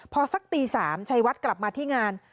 พอสักตี๓ชัยวัดกลับมาที่งาน